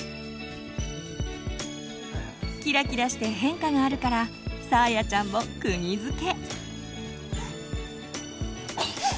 きらきらして変化があるからさあやちゃんもくぎづけ。